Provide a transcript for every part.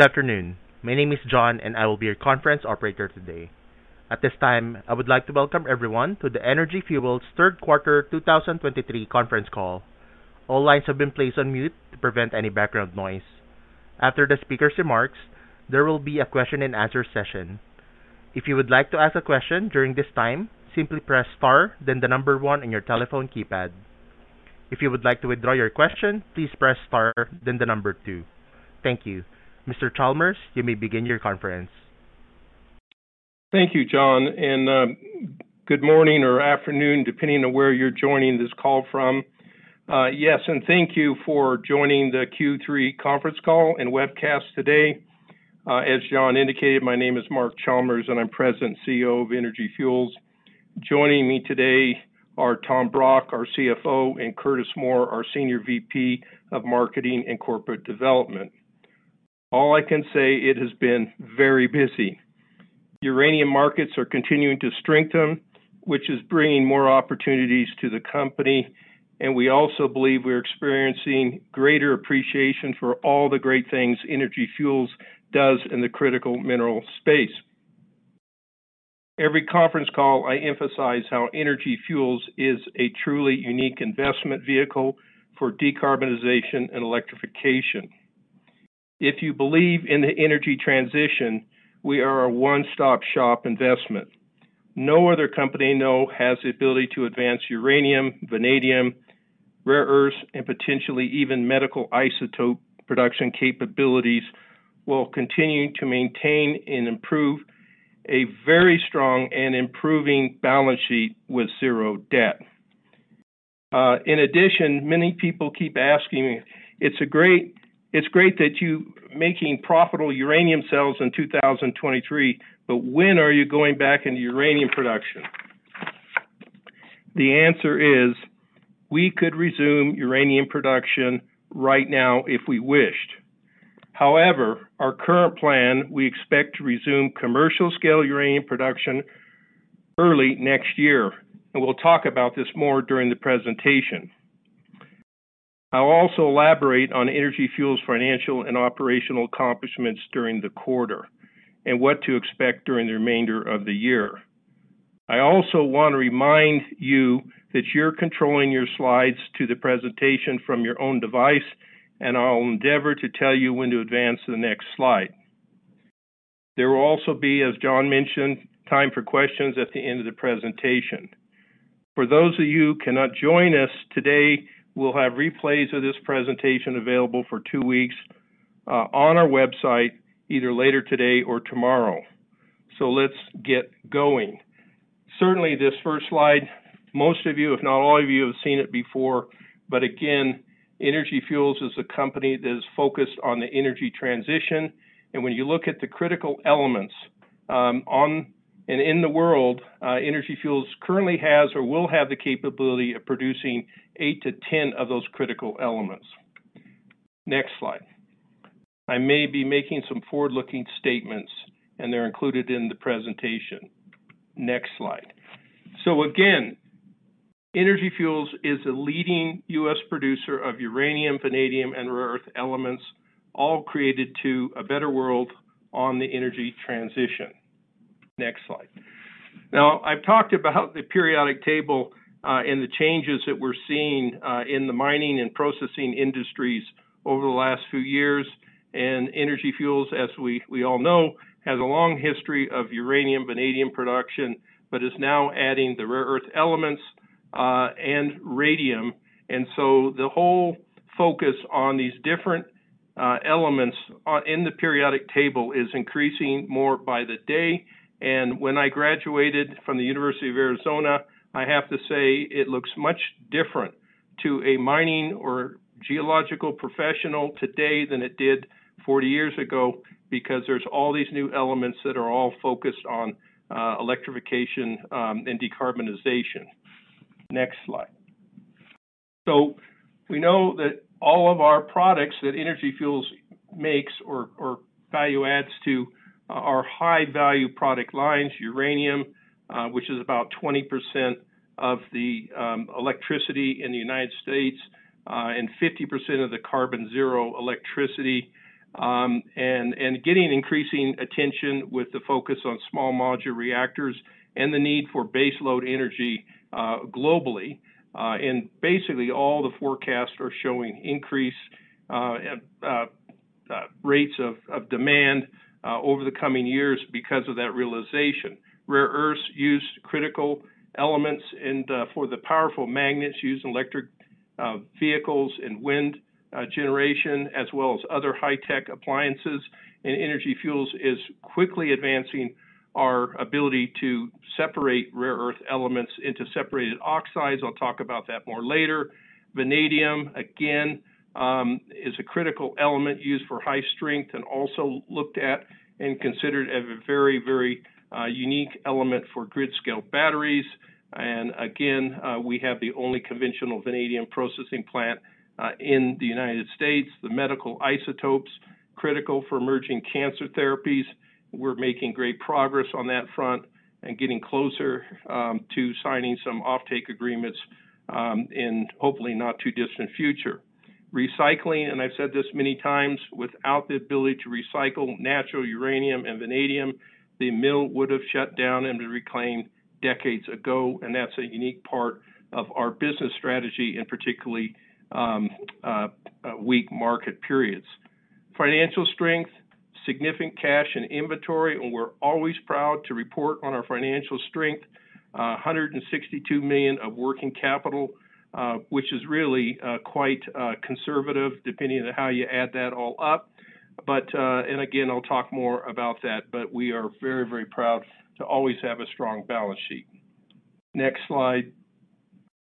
Good afternoon. My name is John, and I will be your conference operator today. At this time, I would like to welcome everyone to the Energy Fuels Third Quarter 2023 Conference Call. All lines have been placed on mute to prevent any background noise. After the speaker's remarks, there will be a question and answer session. If you would like to ask a question during this time, simply press Star, then the number one on your telephone keypad. If you would like to withdraw your question, please press star, then the number two. Thank you. Mr. Chalmers, you may begin your conference. Thank you, John, and good morning or afternoon, depending on where you're joining this call from. Yes, and thank you for joining the Q3 conference call and webcast today. As John indicated, my name is Mark Chalmers, and I'm President and CEO of Energy Fuels. Joining me today are Tom Brock, our CFO, and Curtis Moore, our Senior VP of Marketing and Corporate Development. All I can say, it has been very busy. Uranium markets are continuing to strengthen, which is bringing more opportunities to the company, and we also believe we're experiencing greater appreciation for all the great things Energy Fuels does in the critical mineral space. Every conference call, I emphasize how Energy Fuels is a truly unique investment vehicle for decarbonization and electrification. If you believe in the energy transition, we are a one-stop shop investment. No other company I know has the ability to advance uranium, vanadium, rare earths, and potentially even medical isotope production capabilities, while continuing to maintain and improve a very strong and improving balance sheet with zero debt. In addition, many people keep asking me, it's great that you making profitable uranium sales in 2023, but when are you going back into uranium production? The answer is, we could resume uranium production right now if we wished. However, our current plan, we expect to resume commercial-scale uranium production early next year, and we'll talk about this more during the presentation. I'll also elaborate on Energy Fuels' financial and operational accomplishments during the quarter and what to expect during the remainder of the year. I also want to remind you that you're controlling your slides to the presentation from your own device, and I'll endeavor to tell you when to advance to the next slide. There will also be, as John mentioned, time for questions at the end of the presentation. For those of you who cannot join us today, we'll have replays of this presentation available for two weeks on our website, either later today or tomorrow. So let's get going. Certainly, this first slide, most of you, if not all of you, have seen it before, but again, Energy Fuels is a company that is focused on the energy transition, and when you look at the critical elements on and in the world, Energy Fuels currently has or will have the capability of producing eight to ten of those critical elements. Next slide. I may be making some forward-looking statements, and they're included in the presentation. Next slide. So again, Energy Fuels is a leading U.S. producer of uranium, vanadium, and rare-earth elements, all created to a better world on the energy transition. Next slide. Now, I've talked about the periodic table and the changes that we're seeing in the mining and processing industries over the last few years, and Energy Fuels, as we all know, has a long history of uranium, vanadium production, but is now adding the rare-earth elements and radium. And so the whole focus on these different elements in the periodic table is increasing more by the day. When I graduated from the University of Arizona, I have to say it looks much different to a mining or geological professional today than it did 40 years ago because there's all these new elements that are all focused on electrification and decarbonization. Next slide. We know that all of our products that Energy Fuels makes or value adds to are high-value product lines, uranium, which is about 20% of the electricity in the United States and 50% of the carbon zero electricity and getting increasing attention with the focus on small modular reactors and the need for base load energy globally. And basically, all the forecasts are showing increase rates of demand over the coming years because of that realization. Rare earths use critical elements and for the powerful magnets used in electric vehicles and wind generation, as well as other high-tech appliances. Energy Fuels is quickly advancing our ability to separate rare-earth elements into separated oxides. I'll talk about that more later. Vanadium, again, is a critical element used for high strength and also looked at and considered as a very, very unique element for grid-scale batteries. Again, we have the only conventional vanadium processing plant in the United States. The medical isotopes critical for emerging cancer therapies. We're making great progress on that front and getting closer to signing some offtake agreements in hopefully not too distant future. Recycling, and I've said this many times, without the ability to recycle natural uranium and vanadium, the mill would have shut down and been reclaimed decades ago, and that's a unique part of our business strategy in particularly weak market periods. Financial strength, significant cash and inventory, and we're always proud to report on our financial strength. $162 million of working capital, which is really quite conservative, depending on how you add that all up. But, and again, I'll talk more about that, but we are very, very proud to always have a strong balance sheet. Next slide.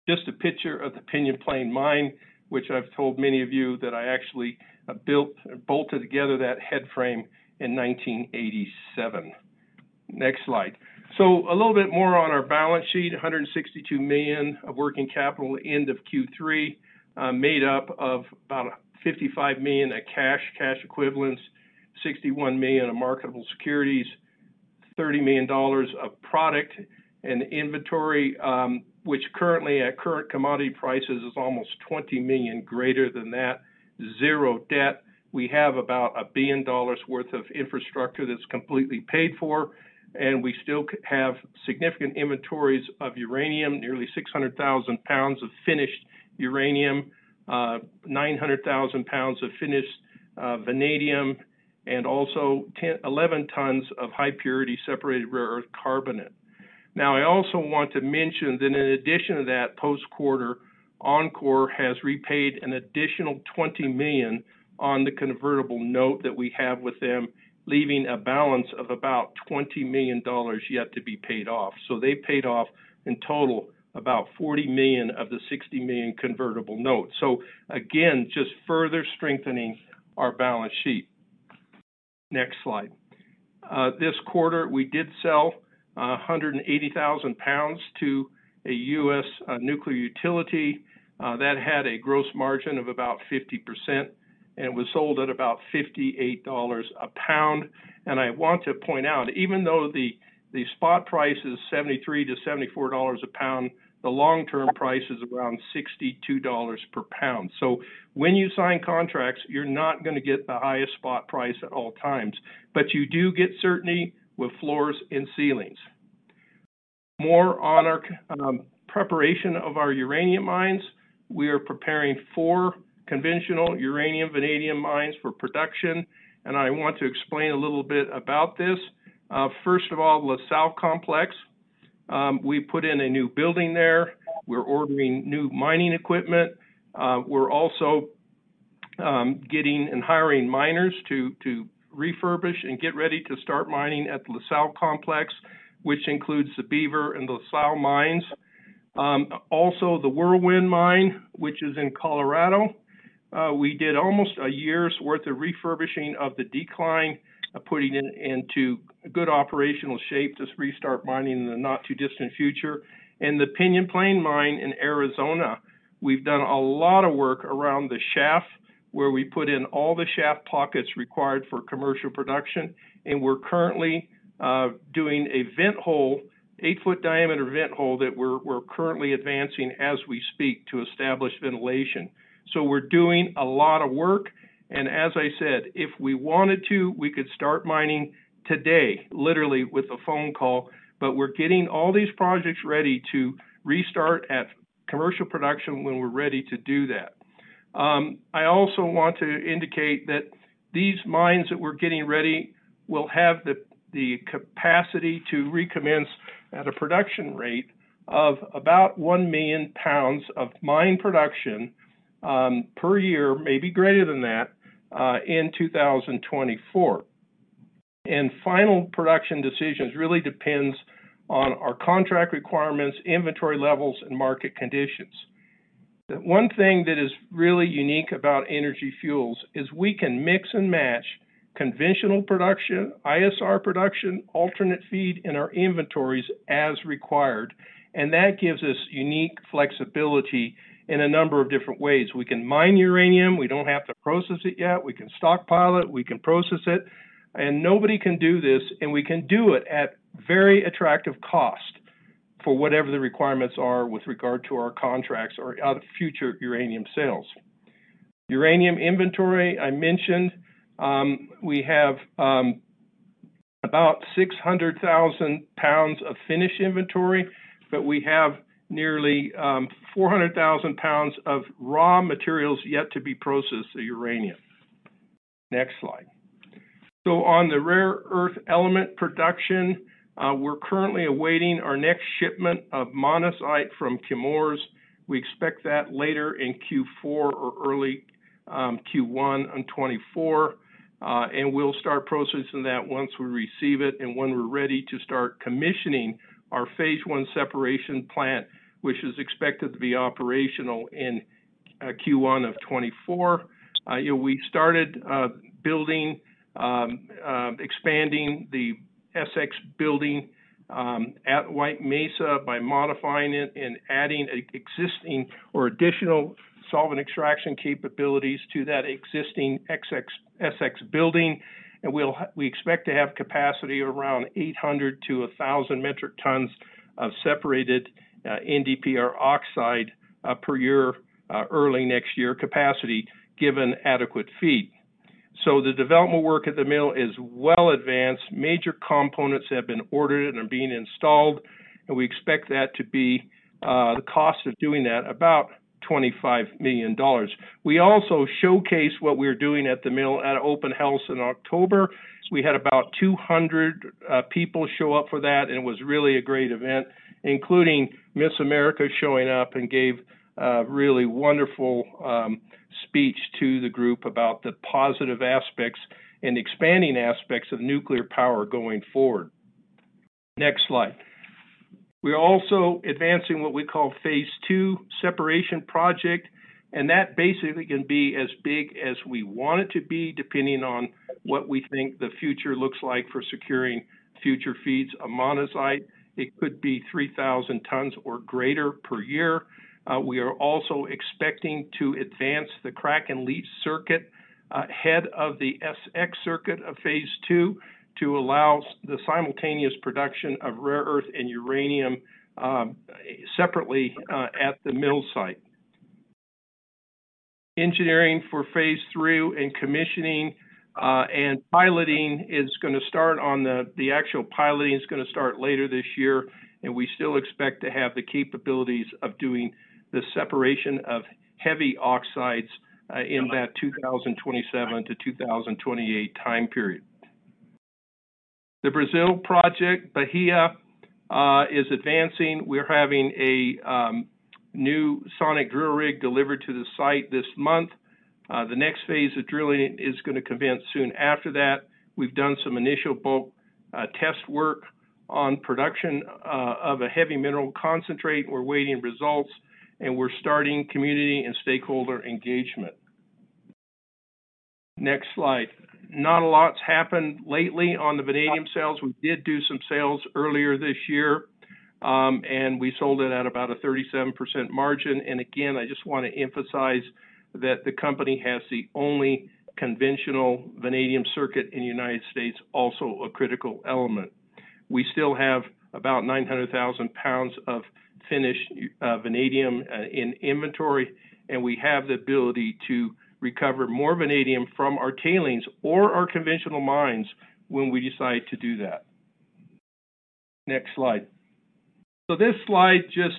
Just a picture of the Pinyon Plain Mine, which I've told many of you that I actually built, bolted together that headframe in 1987. Next slide. So a little bit more on our balance sheet. $162 million of working capital end of Q3, made up of about $55 million of cash, cash equivalents, $61 million of marketable securities, $30 million of product and inventory, which currently at current commodity prices, is almost $20 million greater than that, zero debt. We have about $1 billion worth of infrastructure that's completely paid for, and we still have significant inventories of uranium, nearly 600,000 pounds of finished uranium, 900,000 pounds of finished vanadium, and also 11 tons of high purity, separated, rare earth carbonate. Now, I also want to mention that in addition to that post-quarter, enCore Energy has repaid an additional $20 million on the convertible note that we have with them, leaving a balance of about $20 million yet to be paid off. So they paid off, in total, about $40 million of the $60 million convertible notes. So again, just further strengthening our balance sheet. Next slide. This quarter, we did sell 180,000 pounds to a U.S. nuclear utility. That had a gross margin of about 50% and was sold at about $58 a pound. And I want to point out, even though the spot price is $73–$74 a pound, the long-term price is around $62 per pound. So when you sign contracts, you're not gonna get the highest spot price at all times, but you do get certainty with floors and ceilings. More on our preparation of our uranium mines. We are preparing 4 conventional uranium, vanadium mines for production, and I want to explain a little bit about this. First of all, La Sal Complex. We put in a new building there. We're ordering new mining equipment. We're also getting and hiring miners to refurbish and get ready to start mining at the La Sal Complex, which includes the Beaver and La Sal mines. Also the Whirlwind Mine, which is in Colorado. We did almost a year's worth of refurbishing of the decline, putting it into good operational shape to restart mining in the not too distant future. And the Pinyon Plain Mine in Arizona, we've done a lot of work around the shaft, where we put in all the shaft pockets required for commercial production, and we're currently doing a vent hole, 8-foot diameter vent hole that we're currently advancing as we speak to establish ventilation. So we're doing a lot of work, and as I said, if we wanted to, we could start mining today, literally with a phone call, but we're getting all these projects ready to restart at commercial production when we're ready to do that. I also want to indicate that these mines that we're getting ready will have the capacity to recommence at a production rate of about 1 million pounds of mine production per year, maybe greater than that, in 2024. And final production decisions really depends on our contract requirements, inventory levels, and market conditions. The one thing that is really unique about Energy Fuels is we can mix and match conventional production, ISR production, alternate feed, and our inventories as required, and that gives us unique flexibility in a number of different ways. We can mine uranium. We don't have to process it yet. We can stockpile it, we can process it, and nobody can do this, and we can do it at very attractive cost for whatever the requirements are with regard to our contracts or other future uranium sales. Uranium inventory, I mentioned, we have about 600,000 pounds of finished inventory, but we have nearly 400,000 pounds of raw materials yet to be processed uranium. Next slide. So on the rare earth element production, we're currently awaiting our next shipment of monazite from Chemours. We expect that later in Q4 or early Q1 in 2024, and we'll start processing that once we receive it and when we're ready to start commissioning our phase one separation plant, which is expected to be operational in Q1 of 2024. We started expanding the SX building at White Mesa by modifying it and adding existing or additional solvent extraction capabilities to that existing SX building. We expect to have capacity around 800–1,000 metric tons of separated NdPr oxide per year early next year capacity, given adequate feed. So the development work at the mill is well advanced. Major components have been ordered and are being installed, and we expect that to be the cost of doing that, about $25 million. We also showcase what we're doing at the mill at Open House in October. We had about 200 people show up for that, and it was really a great event, including Miss America showing up and gave a really wonderful speech to the group about the positive aspects and expanding aspects of nuclear power going forward. Next slide. We're also advancing what we call phase two separation project, and that basically can be as big as we want it to be, depending on what we think the future looks like for securing future feeds of monazite. It could be 3,000 tons or greater per year. We are also expecting to advance the crack and leach circuit ahead of the SX circuit of phase two, to allow the simultaneous production of rare earth and uranium separately at the mill site. Engineering for phase three and commissioning, and piloting is gonna start. The actual piloting is gonna start later this year, and we still expect to have the capabilities of doing the separation of heavy oxides in that 2027–2028 time period. The Brazil project, Bahia, is advancing. We're having a new sonic drill rig delivered to the site this month. The next phase of drilling is gonna commence soon after that. We've done some initial bulk test work on production of a heavy mineral concentrate. We're waiting results, and we're starting community and stakeholder engagement. Next slide. Not a lot's happened lately on the vanadium sales. We did do some sales earlier this year, and we sold it at about a 37% margin. Again, I just want to emphasize that the company has the only conventional vanadium circuit in the United States, also a critical element. We still have about 900,000 pounds of finished vanadium in inventory, and we have the ability to recover more vanadium from our tailings or our conventional mines when we decide to do that. Next slide. This slide just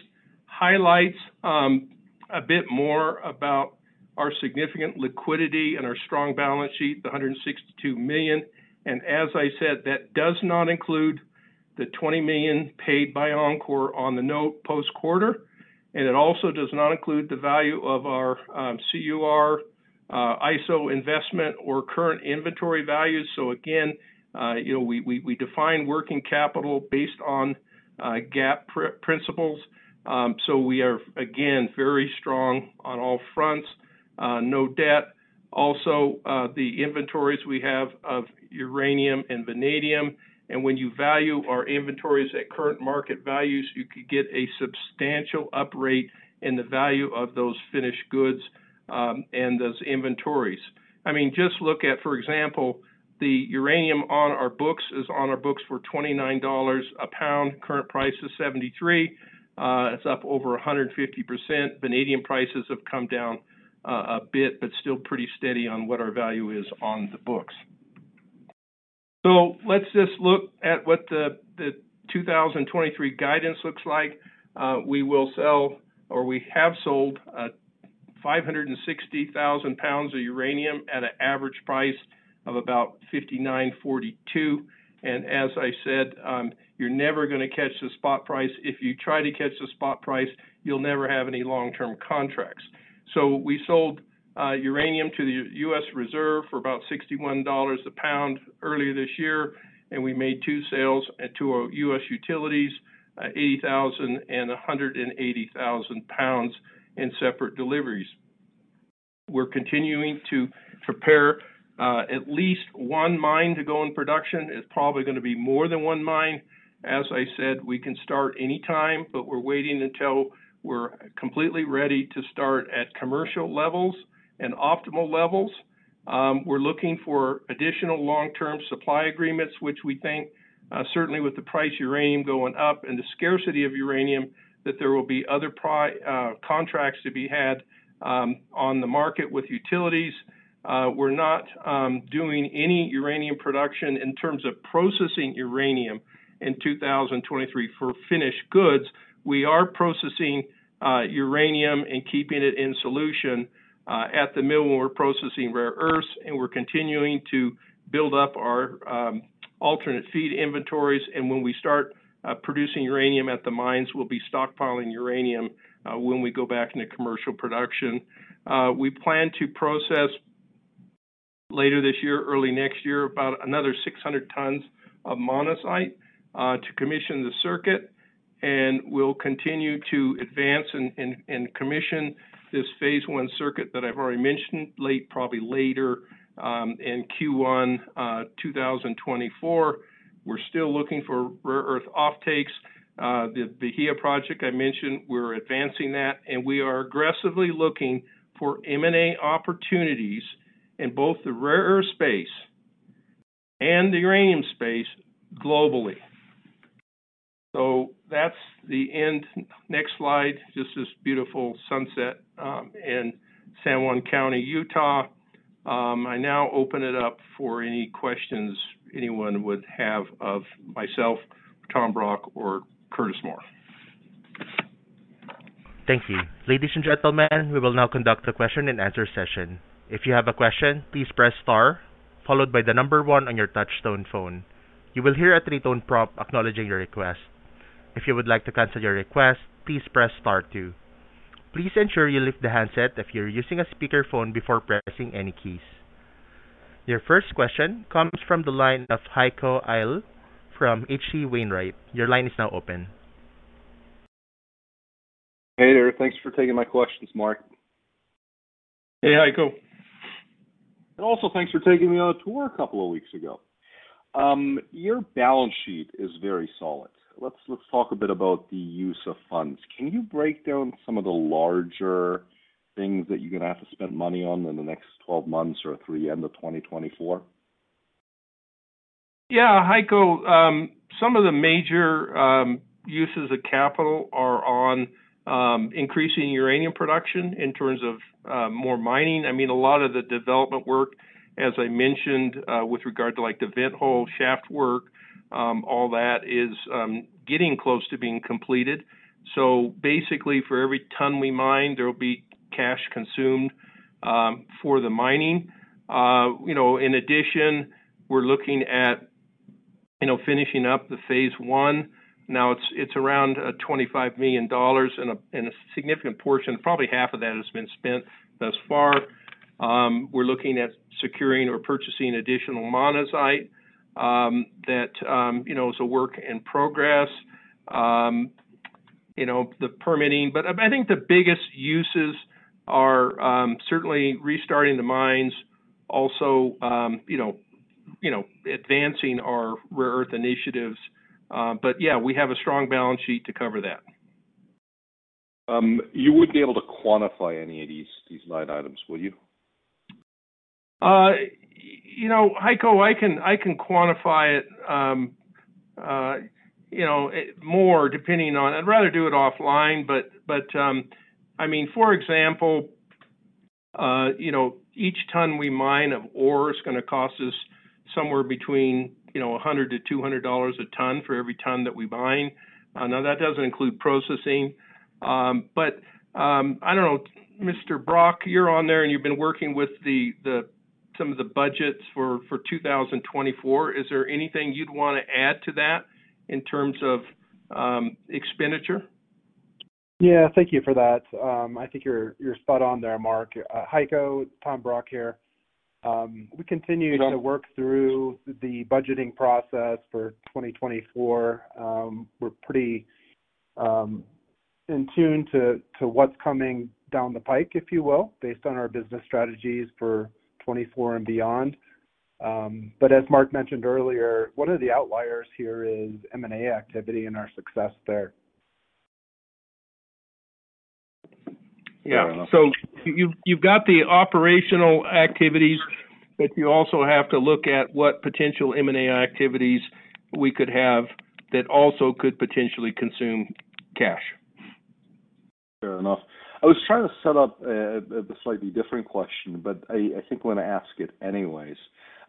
highlights a bit more about our significant liquidity and our strong balance sheet, the $162 million, and as I said, that does not include the $20 million paid by enCore Energy on the note post-quarter, and it also does not include the value of our current ISO investment or current inventory values. So again, you know, we define working capital based on GAAP principles. So we are, again, very strong on all fronts, no debt. Also, the inventories we have of uranium and vanadium, and when you value our inventories at current market values, you could get a substantial upgrade in the value of those finished goods, and those inventories. I mean, just look at, for example, the uranium on our books is on our books for $29 a pound. Current price is $73. It's up over 150%. Vanadium prices have come down, a bit, but still pretty steady on what our value is on the books. So let's just look at what the 2023 guidance looks like. We will sell or we have sold 560,000 pounds of uranium at an average price of about $59.42, and as I said, you're never gonna catch the spot price. If you try to catch the spot price, you'll never have any long-term contracts. We sold uranium to the U.S. reserve for about $61 a pound earlier this year, and we made two sales to our U.S. utilities, 80,000 and 180,000 pounds in separate deliveries. We're continuing to prepare at least one mine to go in production. It's probably gonna be more than one mine. As I said, we can start any time, but we're waiting until we're completely ready to start at commercial levels and optimal levels. We're looking for additional long-term supply agreements, which we think, certainly with the price uranium going up and the scarcity of uranium, that there will be other contracts to be had, on the market with utilities. We're not doing any uranium production in terms of processing uranium in 2023 for finished goods. We are processing uranium and keeping it in solution at the mill when we're processing rare earths, and we're continuing to build up our alternate feed inventories, and when we start producing uranium at the mines, we'll be stockpiling uranium when we go back into commercial production. We plan to process later this year, early next year, about another 600 tons of monazite to commission the circuit, and we'll continue to advance and commission this phase one circuit that I've already mentioned, late, probably later, in Q1 2024. We're still looking for rare earth offtakes. The Bahia project, I mentioned, we're advancing that, and we are aggressively looking for M&A opportunities in both the rare earth space and the uranium space globally. So that's the end. Next slide, just this beautiful sunset in San Juan County, Utah. I now open it up for any questions anyone would have of myself, Tom Brock, or Curtis Moore. Thank you. Ladies and gentlemen, we will now conduct a question and answer session. If you have a question, please press star, followed by the number one on your touchtone phone. You will hear a three-tone prompt acknowledging your request. If you would like to cancel your request, please press star two. Please ensure you lift the handset if you're using a speakerphone before pressing any keys. Your first question comes from the line of Heiko Ihle from H.C. Wainwright. Your line is now open. Hey there. Thanks for taking my questions, Mark. Hey, Heiko. Also, thanks for taking me on a tour a couple of weeks ago. Your balance sheet is very solid. Let's, let's talk a bit about the use of funds. Can you break down some of the larger things that you're gonna have to spend money on in the next 12 months or through the end of 2024? Yeah, Heiko, some of the major uses of capital are on increasing uranium production in terms of more mining. I mean, a lot of the development work, as I mentioned, with regard to, like, the vent hole shaft work, all that is getting close to being completed. So basically, for every ton we mine, there will be cash consumed for the mining. You know, in addition, we're looking at, you know, finishing up the Phase 1. Now it's around $25 million, and a significant portion, probably $12.5 million of that has been spent thus far. We're looking at securing or purchasing additional monazite, that you know, is a work in progress. You know, the permitting. I think the biggest uses are certainly restarting the mines, also you know, you know, advancing our rare earth initiatives. But yeah, we have a strong balance sheet to cover that. You wouldn't be able to quantify any of these, these line items, will you? You know, Heiko, I can, I can quantify it, you know, it more, depending on... I'd rather do it offline, but, but, I mean, for example, you know, each ton we mine of ore is gonna cost us somewhere between, you know, $100-$200 a ton for every ton that we mine. Now, that doesn't include processing. But, I don't know, Mr. Brock, you're on there, and you've been working with the some of the budgets for 2024. Is there anything you'd want to add to that in terms of expenditure? Yeah, thank you for that. I think you're spot on there, Mark. Heiko, Tom Brock here. We continue- Yeah... to work through the budgeting process for 2024. We're pretty in tune to what's coming down the pike, if you will, based on our business strategies for 2024 and beyond. But as Mark mentioned earlier, one of the outliers here is M&A activity and our success there. Yeah. Fair enough. You've got the operational activities, but you also have to look at what potential M&A activities we could have that also could potentially consume cash. Fair enough. I was trying to set up a slightly different question, but I think I'm gonna ask it anyways.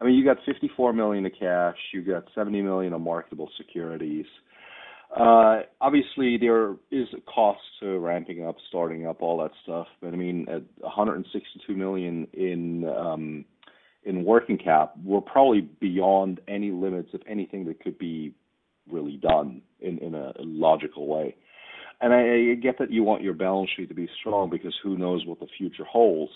I mean, you got $54 million in cash, you got $70 million in marketable securities. Obviously, there is a cost to ramping up, starting up, all that stuff. But I mean, at $162 million in working cap, we're probably beyond any limits of anything that could be really done in a logical way. And I get that you want your balance sheet to be strong because who knows what the future holds.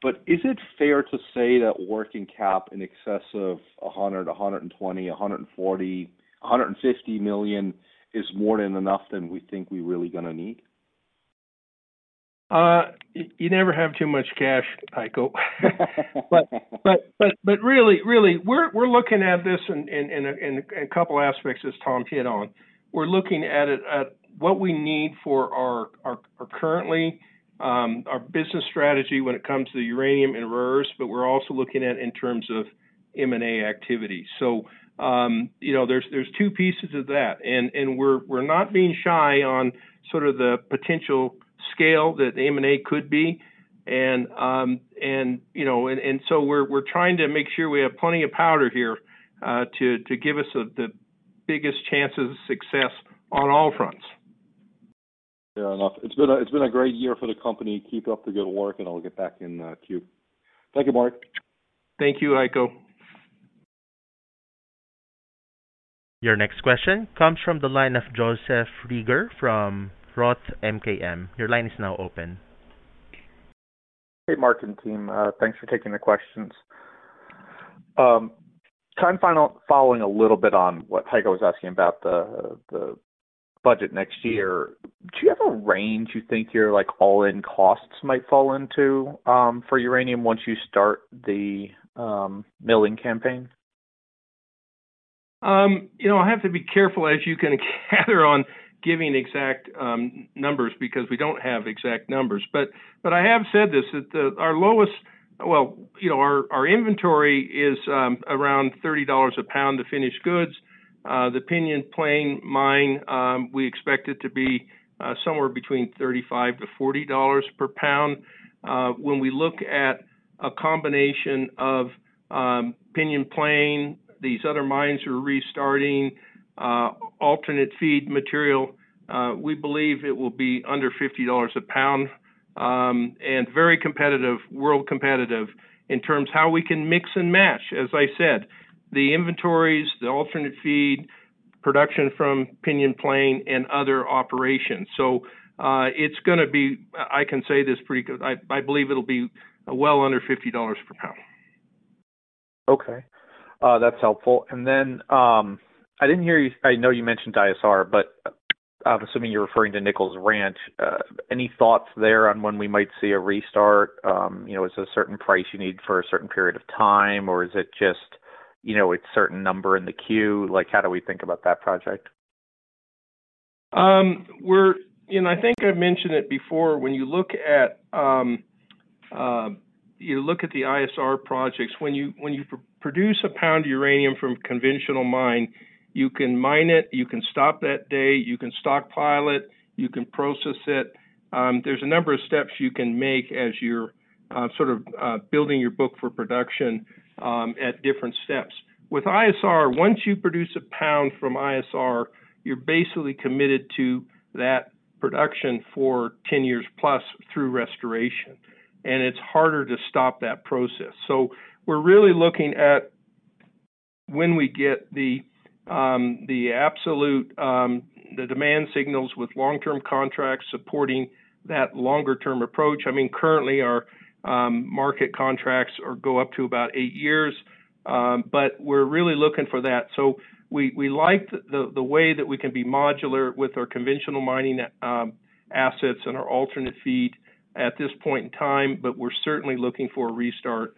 But is it fair to say that working cap in excess of $100, $120, $140, $150 million is more than enough than we think we're really gonna need? You never have too much cash, Heiko. But really, we're looking at this in a couple aspects, as Tom hit on. We're looking at it at what we need for our current business strategy when it comes to uranium and rare earths, but we're also looking at in terms of M&A activity. So, you know, there's two pieces of that, and we're not being shy on sort of the potential scale that M&A could be. And, you know, so we're trying to make sure we have plenty of powder here, to give us the biggest chances of success on all fronts. Fair enough. It's been a great year for the company. Keep up the good work, and I'll get back in the queue. Thank you, Mark. Thank you, Heiko. Your next question comes from the line of Joseph Reagor from Roth MKM. Your line is now open. Hey, Mark and team. Thanks for taking the questions. Following a little bit on what Heiko was asking about the budget next year, do you have a range you think your, like, all-in costs might fall into, for uranium once you start the milling campaign? You know, I have to be careful, as you can gather, on giving exact numbers because we don't have exact numbers. But I have said this, that our lowest. Well, you know, our inventory is around $30 a pound to finished goods. The Pinyon Plain Mine, we expect it to be somewhere between $35–$40 per pound. When we look at a combination of Pinyon Plain, these other mines are restarting, alternate feed material, we believe it will be under $50 a pound, and very competitive, world competitive in terms of how we can mix and match, as I said, the inventories, the alternate feed, production from Pinyon Plain and other operations. So, it's gonna be, I can say this pretty good. I believe it'll be well under $50 per pound. Okay, that's helpful. And then, I didn't hear you—I know you mentioned ISR, but I'm assuming you're referring to Nichols Ranch. Any thoughts there on when we might see a restart? You know, is it a certain price you need for a certain period of time, or is it just, you know, a certain number in the queue? Like, how do we think about that project? I think I've mentioned it before, when you look at the ISR projects, when you produce a pound of uranium from a conventional mine, you can mine it, you can stop that day, you can stockpile it, you can process it. There's a number of steps you can make as you're sort of building your book for production at different steps. With ISR, once you produce a pound from ISR, you're basically committed to that production for 10 years plus through restoration, and it's harder to stop that process. So we're really looking at when we get the absolute demand signals with long-term contracts supporting that longer-term approach. I mean, currently our market contracts go up to about 8 years, but we're really looking for that. So we like the way that we can be modular with our conventional mining assets and our alternate feed at this point in time, but we're certainly looking for a restart,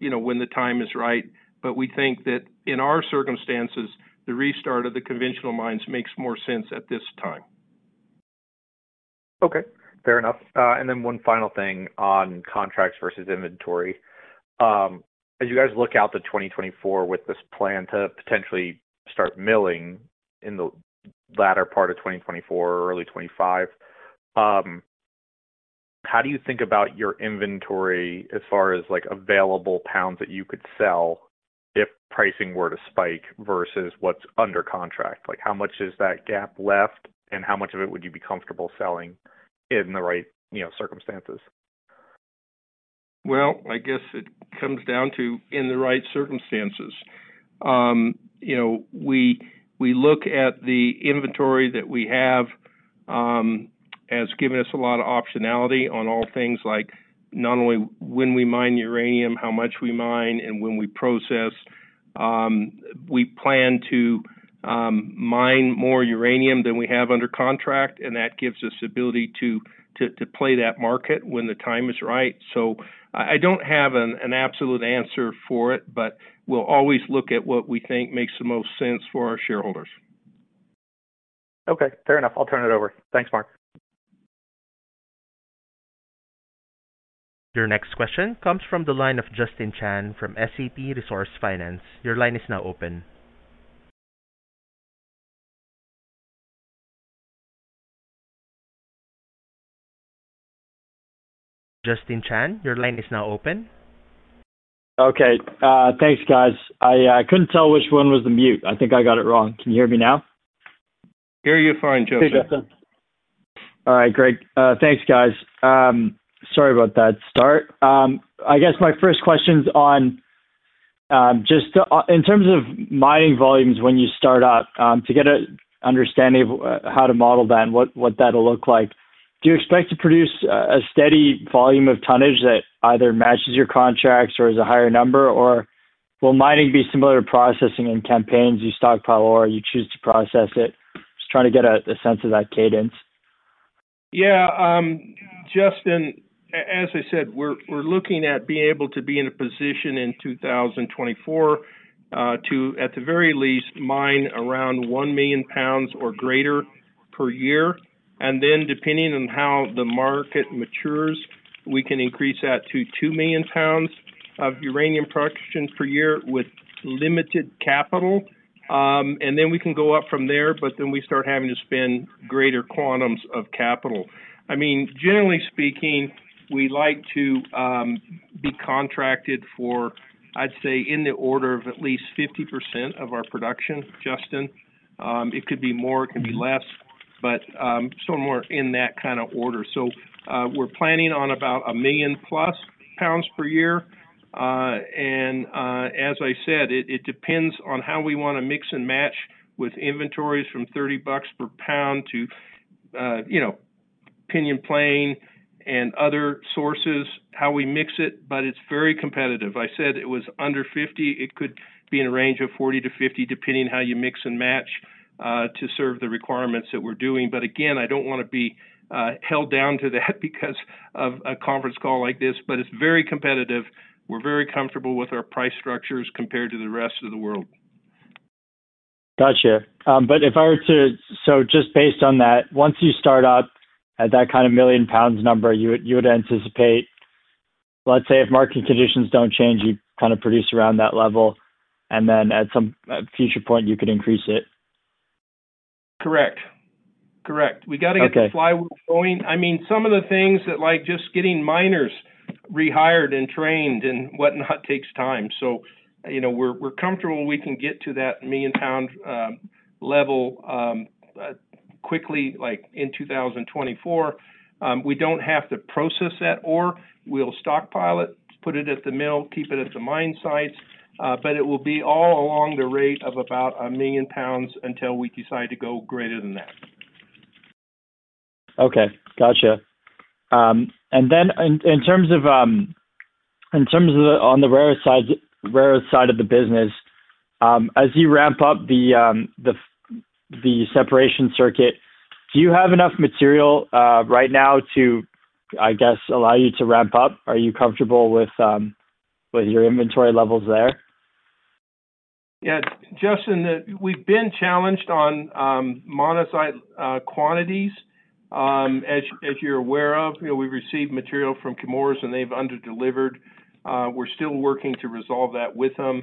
you know, when the time is right. But we think that in our circumstances, the restart of the conventional mines makes more sense at this time. Okay, fair enough. And then one final thing on contracts versus inventory. As you guys look out to 2024 with this plan to potentially start milling in the latter part of 2024 or early 2025, how do you think about your inventory as far as, like, available pounds that you could sell if pricing were to spike versus what's under contract? Like, how much is that gap left, and how much of it would you be comfortable selling in the right, you know, circumstances? Well, I guess it comes down to, in the right circumstances. You know, we look at the inventory that we have as giving us a lot of optionality on all things like not only when we mine uranium, how much we mine, and when we process. We plan to mine more uranium than we have under contract, and that gives us the ability to play that market when the time is right. So I don't have an absolute answer for it, but we'll always look at what we think makes the most sense for our shareholders. Okay, fair enough. I'll turn it over. Thanks, Mark. Your next question comes from the line of Justin Chan from SCP Resource Finance. Your line is now open. Justin Chan, your line is now open. Okay, thanks, guys. I, I couldn't tell which one was the mute. I think I got it wrong. Can you hear me now? Hear you fine, Justin. Hey, Justin. All right, great. Thanks, guys. Sorry about that start. I guess my first question is on just in terms of mining volumes, when you start out to get a understanding of how to model that and what that'll look like. Do you expect to produce a steady volume of tonnage that either matches your contracts or is a higher number, or will mining be similar to processing in campaigns, you stockpile or you choose to process it? Just trying to get a sense of that cadence. Yeah, Justin, as I said, we're looking at being able to be in a position in 2024, to, at the very least, mine around 1 million pounds or greater per year. And then depending on how the market matures, we can increase that to 2 million pounds of uranium production per year with limited capital. And then we can go up from there, but then we start having to spend greater quantums of capital. I mean, generally speaking, we like to be contracted for, I'd say, in the order of at least 50% of our production, Justin. It could be more, it could be less, but somewhere in that kind of order. So, we're planning on about 1 million-plus pounds per year. And as I said, it depends on how we want to mix and match with inventories from $30 per pound to, you know, Pinyon Plain and other sources, how we mix it, but it's very competitive. I said it was under 50. It could be in a range of 40–50, depending on how you mix and match to serve the requirements that we're doing. But again, I don't wanna be held down to that because of a conference call like this, but it's very competitive. We're very comfortable with our price structures compared to the rest of the world.... Gotcha. But if I were to, so just based on that, once you start up at that kind of 1 million pounds number, you would, you would anticipate, let's say, if market conditions don't change, you kind of produce around that level, and then at some future point, you could increase it? Correct. Correct. Okay. We got to get the flywheel going. I mean, some of the things that, like, just getting miners rehired and trained and whatnot takes time. So, you know, we're comfortable we can get to that million-pound level quickly, like in 2024. We don't have to process that ore. We'll stockpile it, put it at the mill, keep it at the mine sites, but it will be all along the rate of about a million pounds until we decide to go greater than that. Okay, gotcha. And then in terms of the, on the rare side, rare earth side of the business, as you ramp up the separation circuit, do you have enough material right now to, I guess, allow you to ramp up? Are you comfortable with your inventory levels there? Yeah, Justin, we've been challenged on monazite quantities. As you're aware of, you know, we've received material from Chemours, and they've under-delivered. We're still working to resolve that with them.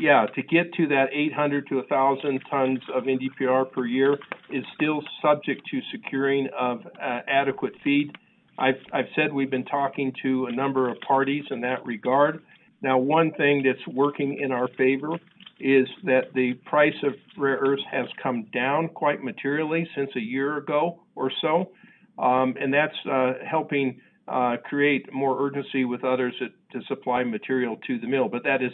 Yeah, to get to that 800–1,000 tons of NdPr per year is still subject to securing of adequate feed. I've said we've been talking to a number of parties in that regard. Now, one thing that's working in our favor is that the price of rare earths has come down quite materially since a year ago or so. That's helping create more urgency with others to supply material to the mill, but that is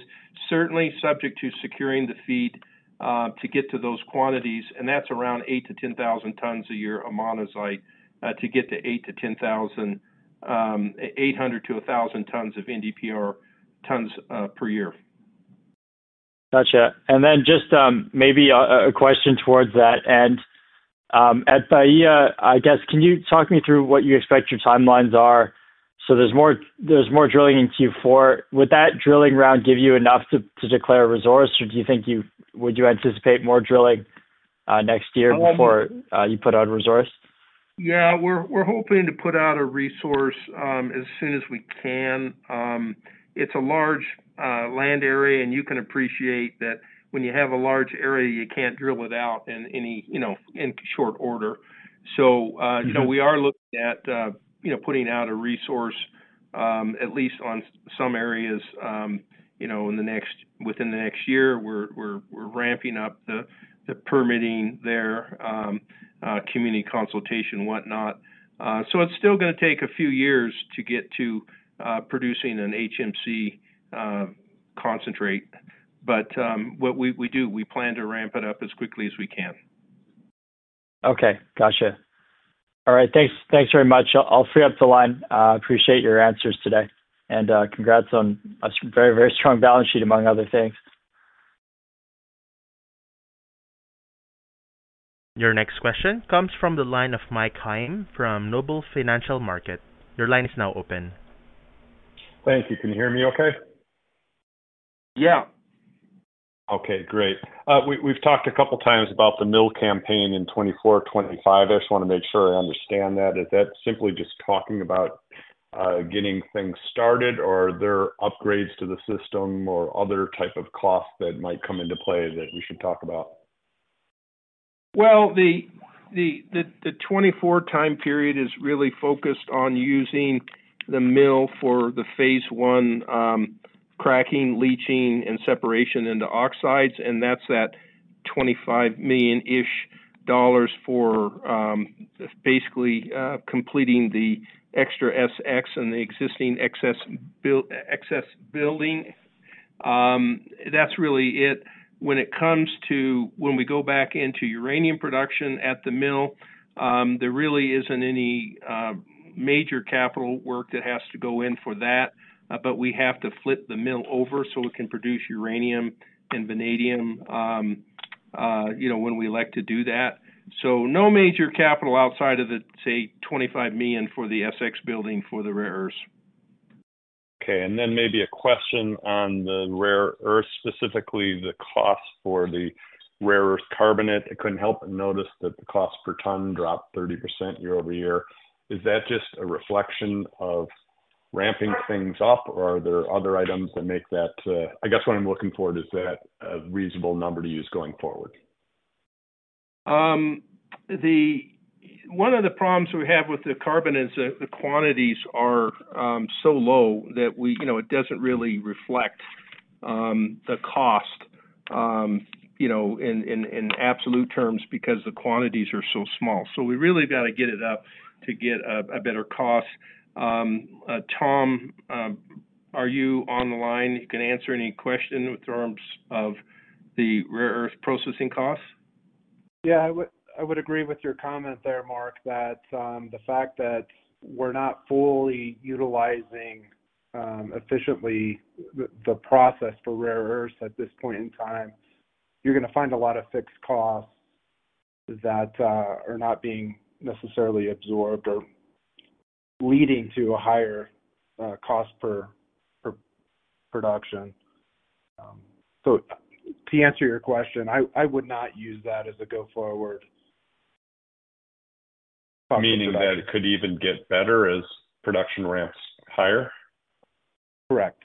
certainly subject to securing the feed to get to those quantities, and that's around 8,000–10,000 tons a year of monazite to get to 800–1,000 tons of NdPr tons per year. Gotcha. Then just maybe a question towards that. At Bahia, I guess, can you talk me through what you expect your timelines are? So there's more drilling in Q4. Would that drilling round give you enough to declare a resource, or do you think you would anticipate more drilling next year before you put out a resource? Yeah, we're hoping to put out a resource as soon as we can. It's a large land area, and you can appreciate that when you have a large area, you can't drill it out in any, you know, in short order. So, you know, we are looking at, you know, putting out a resource, at least on some areas, you know, in the next—within the next year. We're ramping up the permitting there, community consultation, whatnot. So it's still gonna take a few years to get to producing an HMC concentrate. But, what we do, we plan to ramp it up as quickly as we can. Okay, gotcha. All right. Thanks, thanks very much. I'll free up the line. Appreciate your answers today, and congrats on a very, very strong balance sheet, among other things. Your next question comes from the line of Mike Heim, from Noble Financial Markets. Your line is now open. Thanks. Can you hear me okay? Yeah. Okay, great. We, we've talked a couple of times about the mill campaign in 2024, 2025. I just want to make sure I understand that. Is that simply just talking about getting things started, or are there upgrades to the system or other type of costs that might come into play that we should talk about? Well, the 2024 time period is really focused on using the mill for the phase 1, cracking, leaching, and separation into oxides, and that's that $25 million-ish dollars for basically completing the extra SX and the existing excess building. That's really it. When it comes to when we go back into uranium production at the mill, there really isn't any major capital work that has to go in for that, but we have to flip the mill over, so it can produce uranium and vanadium, you know, when we like to do that. So no major capital outside of the, say, $25 million for the SX building for the rare earths. Okay, and then maybe a question on the rare earths, specifically the cost for the rare earths carbonate. I couldn't help but notice that the cost per ton dropped 30% year-over-year. Is that just a reflection of ramping things up, or are there other items that make that? I guess what I'm looking for is that a reasonable number to use going forward? One of the problems we have with the carbonates, the quantities are so low that we, you know, it doesn't really reflect the cost, you know, in absolute terms, because the quantities are so small. So we really got to get it up to get a better cost. Tom, are you on the line? You can answer any question in terms of the rare earth processing costs. Yeah, I would, I would agree with your comment there, Mark, that the fact that we're not fully utilizing efficiently the process for rare earths at this point in time, you're gonna find a lot of fixed costs that are not being necessarily absorbed or- ... leading to a higher cost per production. So to answer your question, I would not use that as a go forward. Meaning that it could even get better as production ramps higher? Correct.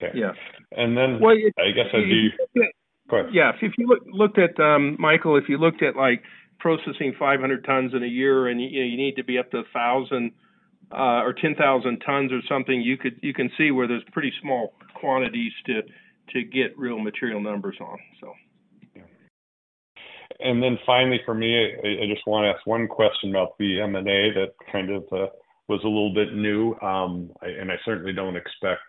Okay. Yes. And then- Well, it- I guess as you... Go ahead. Yes. If you looked at, Michael, like, processing 500 tons in a year, and you need to be up to 1,000 or 10,000 tons or something, you can see where there's pretty small quantities to get real material numbers on, so. Then finally, for me, I just want to ask one question about the M&A that kind of was a little bit new. I certainly don't expect,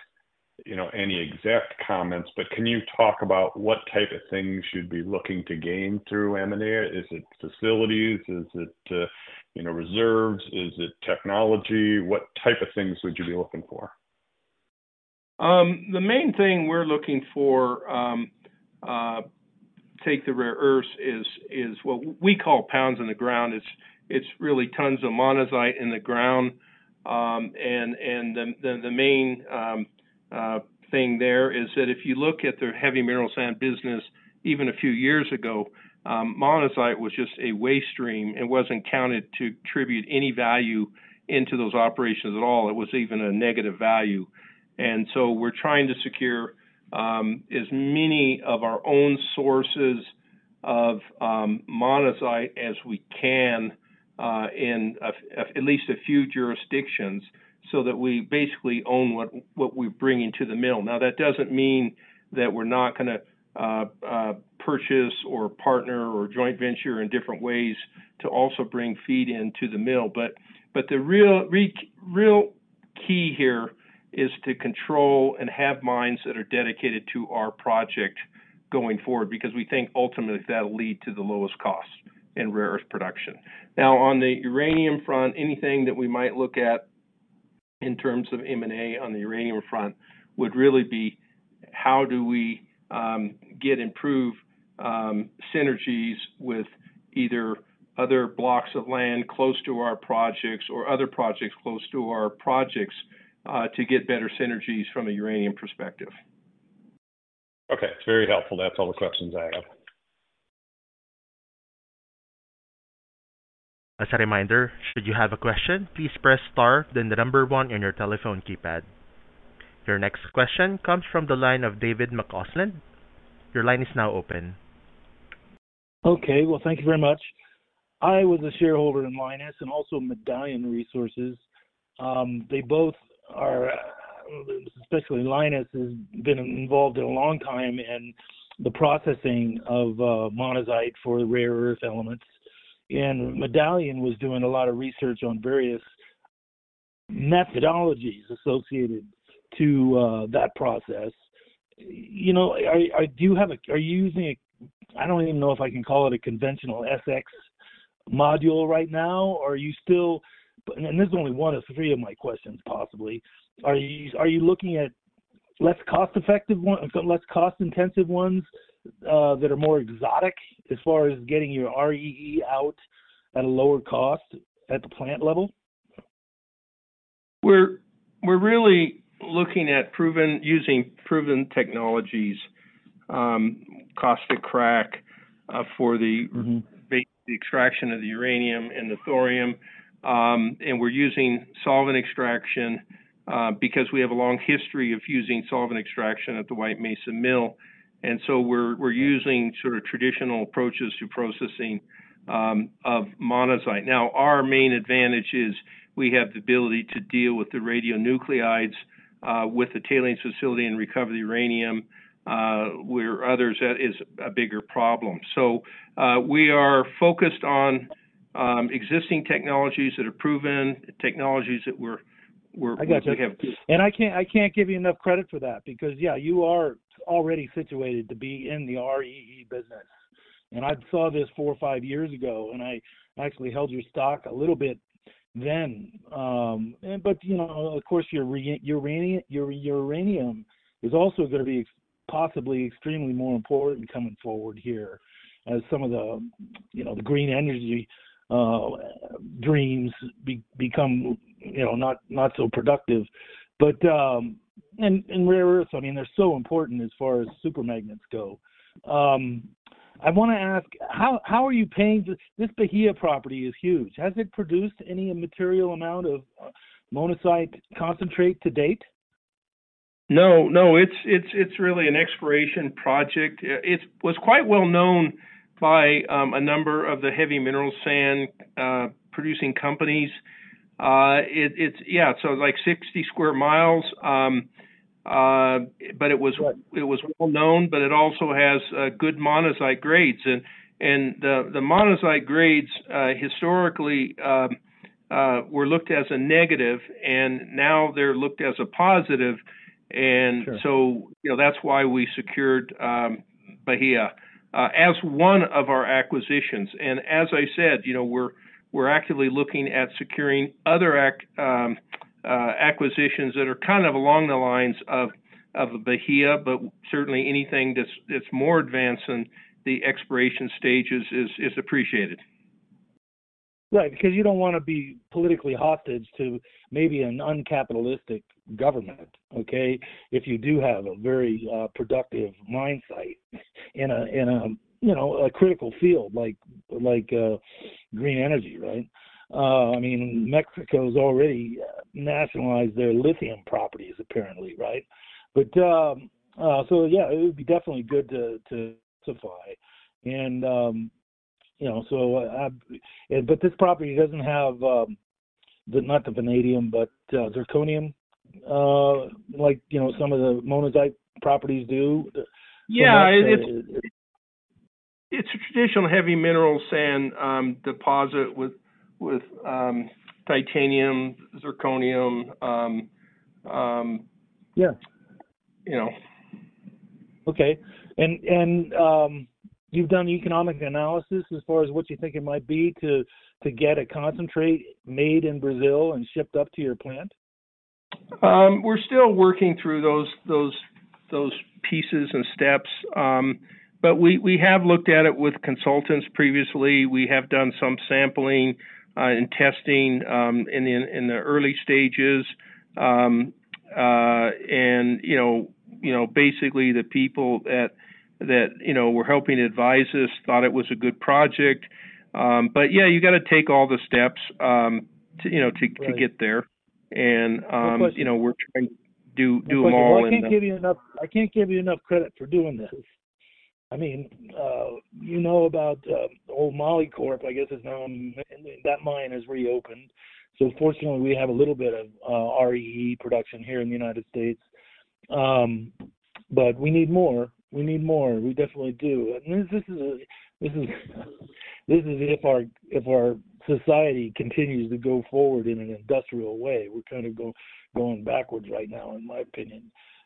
you know, any exact comments, but can you talk about what type of things you'd be looking to gain through M&A? Is it facilities? Is it, you know, reserves? Is it technology? What type of things would you be looking for? The main thing we're looking for the rare earths is what we call pounds in the ground. It's really tons of monazite in the ground. And the main thing there is that if you look at their heavy mineral sands business, even a few years ago, monazite was just a waste stream and wasn't counted to attribute any value into those operations at all. It was even a negative value. And so we're trying to secure as many of our own sources of monazite as we can in at least a few jurisdictions, so that we basically own what we bring into the mill. Now, that doesn't mean that we're not gonna purchase or partner or joint venture in different ways to also bring feed into the mill, but the real key here is to control and have mines that are dedicated to our project going forward, because we think ultimately that'll lead to the lowest cost in rare earth production. Now, on the uranium front, anything that we might look at in terms of M&A on the uranium front would really be, how do we get improved synergies with either other blocks of land close to our projects or other projects close to our projects to get better synergies from a uranium perspective? Okay. It's very helpful. That's all the questions I have. As a reminder, should you have a question, please press Star, then the number one on your telephone keypad. Your next question comes from the line of David McCausland. Your line is now open. Okay, well, thank you very much. I was a shareholder in Lynas and also Medallion Resources. They both are, especially Lynas, has been involved a long time in the processing of monazite for the rare-earth elements, and Medallion was doing a lot of research on various methodologies associated to that process. You know, I, I do have a... Are you using a, I don't even know if I can call it a conventional SX module right now. Are you still-- and this is only one of three of my questions, possibly. Are you, are you looking at less cost-effective one, less cost-intensive ones that are more exotic as far as getting your REE out at a lower cost at the plant level? We're really looking at using proven technologies, caustic crack, for the- Mm-hmm... the extraction of the uranium and the thorium. And we're using solvent extraction, because we have a long history of using solvent extraction at the White Mesa Mill, and so we're using sort of traditional approaches to processing of monazite. Now, our main advantage is we have the ability to deal with the radionuclides, with the tailings facility and recover the uranium, where others, that is a bigger problem. So, we are focused on existing technologies that are proven, technologies that we're- I got you. I can't give you enough credit for that because, yeah, you are already situated to be in the REE business. I saw this four or five years ago, and I actually held your stock a little bit then. But, you know, of course, your uranium is also gonna be possibly extremely more important coming forward here as some of the, you know, the green energy dreams become, you know, not so productive. But, and rare earths, I mean, they're so important as far as super magnets go. I wanna ask, how are you paying... This Bahia property is huge. Has it produced any material amount of monazite concentrate to date? No, no, it's really an exploration project. It was quite well known by a number of the heavy mineral sands producing companies. It's... Yeah, so like 60 sq. mi., but it was well known, but it also has good monazite grades. And the monazite grades, historically, were looked as a negative, and now they're looked as a positive. And- Sure. So, you know, that's why we secured Bahia as one of our acquisitions. And as I said, you know, we're actively looking at securing other acquisitions that are kind of along the lines of Bahia, but certainly anything that's more advanced than the exploration stages is appreciated. Right, because you don't wanna be politically hostage to maybe an uncapitalistic government, okay? If you do have a very productive mine site in a, you know, a critical field like green energy, right? I mean, Mexico's already nationalized their lithium properties, apparently, right? But so yeah, it would be definitely good to supply. And you know, so but this property doesn't have the, not the vanadium, but zirconium like you know, some of the monazite properties do. Yeah, it's a traditional heavy mineral sand deposit with titanium, zirconium. Yeah. You know. Okay. And you've done economic analysis as far as what you think it might be to get a concentrate made in Brazil and shipped up to your plant? We're still working through those pieces and steps, but we have looked at it with consultants previously. We have done some sampling and testing in the early stages. You know, basically, the people that you know were helping advise us thought it was a good project. But yeah, you gotta take all the steps to you know to- Right... to get there. And, you know, we're trying to do them all. I can't give you enough—I can't give you enough credit for doing this. I mean, you know about old Molycorp, I guess it's now, that mine has reopened. So fortunately, we have a little bit of REE production here in the United States. But we need more. We need more. We definitely do. And this is a, this is, this is if our, if our society continues to go forward in an industrial way. We're kind of go-going backwards right now, in my opinion.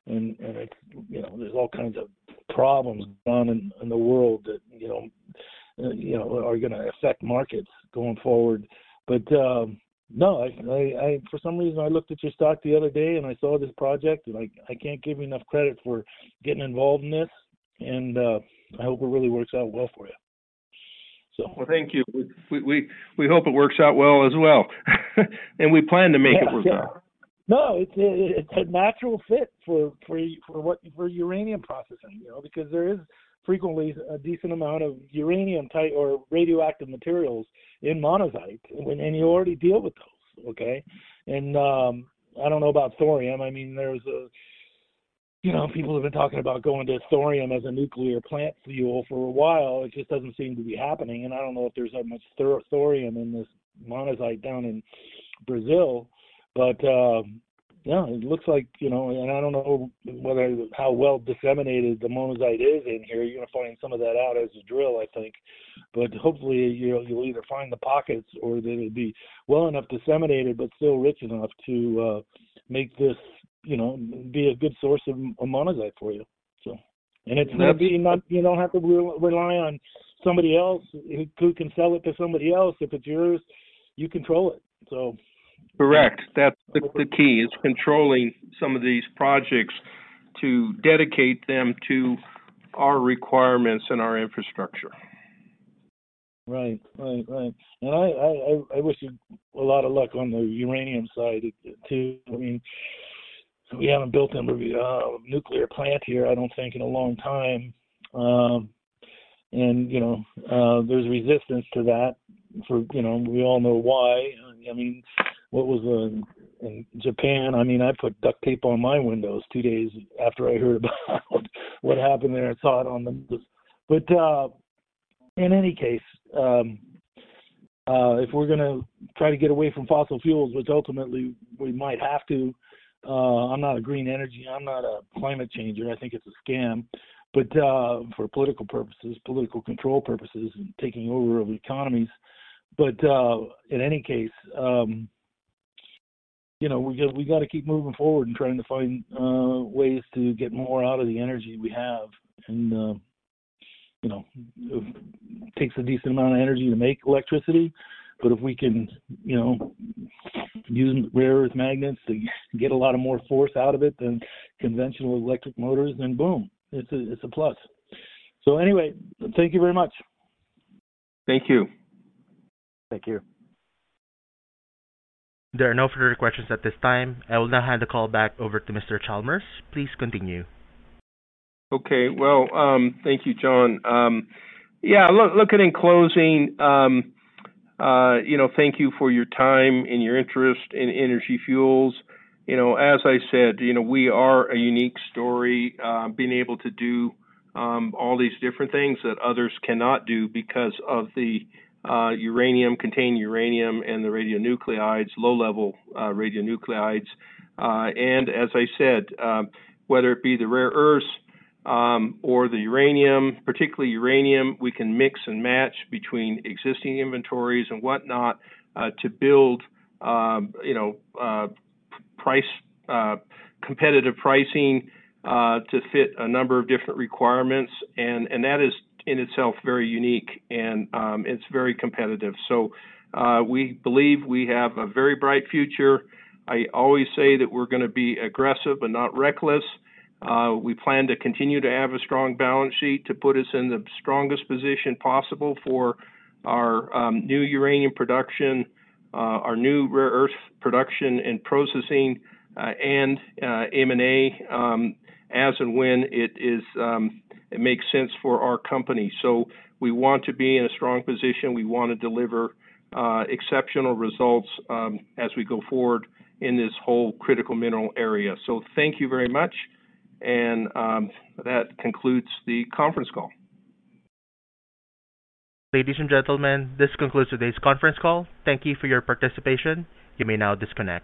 And, and, you know, there's all kinds of problems going on in the world that, you know, you know, are gonna affect markets going forward. But, no, I, I, for some reason, I looked at your stock the other day and I saw this project. Like, I can't give you enough credit for getting involved in this, and I hope it really works out well for you. So- Well, thank you. We hope it works out well as well, and we plan to make it work well. No, it's a natural fit for what, for uranium processing, you know, because there is frequently a decent amount of uranium type or radioactive materials in monazite, and you already deal with those, okay? And, I don't know about thorium. I mean, there's, you know, people have been talking about going to thorium as a nuclear plant fuel for a while. It just doesn't seem to be happening, and I don't know if there's that much thorium in this monazite down in Brazil. But, yeah, it looks like, you know, and I don't know whether how well disseminated the monazite is in here. You're gonna find some of that out as you drill, I think. But hopefully, you know, you'll either find the pockets or they will be well enough disseminated, but still rich enough to make this, you know, be a good source of monazite for you. So... And it's not, you don't have to rely on somebody else who can sell it to somebody else. If it's yours, you control it. So- Correct. That's the key is controlling some of these projects to dedicate them to our requirements and our infrastructure. Right. Right, right. And I wish you a lot of luck on the uranium side too. I mean, we haven't built a nuclear plant here, I don't think, in a long time. And, you know, there's resistance to that, you know, we all know why. I mean, in Japan, I mean, I put duct tape on my windows two days after I heard about what happened there and saw it on the news. But, in any case, if we're gonna try to get away from fossil fuels, which ultimately we might have to, I'm not a green energy, I'm not a climate changer, I think it's a scam, but, for political purposes, political control purposes and taking over of economies. But, in any case, you know, we got, we gotta keep moving forward and trying to find ways to get more out of the energy we have. And, you know, it takes a decent amount of energy to make electricity, but if we can, you know, use rare earth magnets to get a lot of more force out of it than conventional electric motors, then boom, it's a, it's a plus. So anyway, thank you very much. Thank you. Thank you. There are no further questions at this time. I will now hand the call back over to Mr. Chalmers. Please continue. Okay, well, thank you, John. Yeah, look, and in closing, you know, thank you for your time and your interest in Energy Fuels. You know, as I said, you know, we are a unique story, being able to do all these different things that others cannot do because of the uranium, contained uranium and the radionuclides, low level radionuclides. And as I said, whether it be the rare earths or the uranium, particularly uranium, we can mix and match between existing inventories and whatnot to build, you know, price competitive pricing to fit a number of different requirements, and, and that is in itself very unique, and, it's very competitive. So, we believe we have a very bright future. I always say that we're gonna be aggressive but not reckless. We plan to continue to have a strong balance sheet to put us in the strongest position possible for our new uranium production, our new rare earth production and processing, and M&A, as and when it makes sense for our company. So we want to be in a strong position. We want to deliver exceptional results as we go forward in this whole critical mineral area. So thank you very much, and that concludes the conference call. Ladies and gentlemen, this concludes today's conference call. Thank you for your participation. You may now disconnect.